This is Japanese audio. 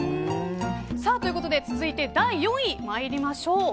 ということで続いて第４位参りましょう。